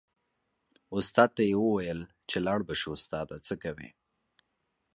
استاد ته یې و ویل چې لاړ به شو استاده څه کوې.